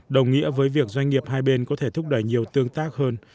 đồng nghĩa với việc doanh nghiệp hai bên có thể thúc đẩy nhiều tương tác hơn